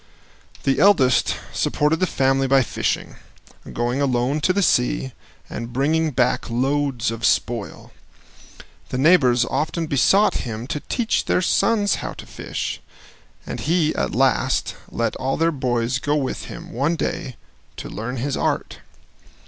The eldest supported the family by fishing, going alone to the sea, and bringing back loads of spoil. The neighbors often besought him to teach their sons how to fish, and he at last let all their boys go with him, one day, to learn his art.